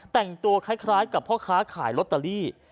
แต่งตัวคล้ายกับพ่อค้าขายลอตเตอรี่